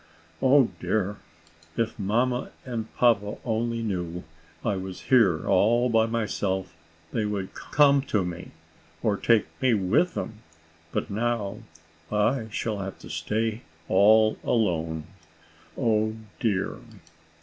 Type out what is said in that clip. Oh dear! If mamma and papa only knew I was here all by myself, they would come to me, or take me with them. But now I shall have to stay all alone. Oh dear!"